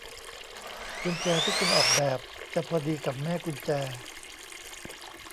กุญแจที่คุณออกแบบจะพอดีกับแม่กุญแจ